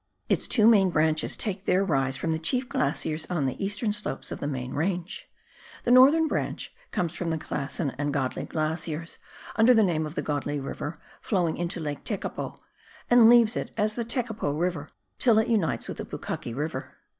Its two main branches take their rise from the chief glaciers on the eastern slopes of the main range. The northern branch comes from the Classen and Godley glaciers, imder the name of the Godley River, flowing into Lake Tekapo, and leaves it as the Tekapo River, till it unites with the Pukaki River.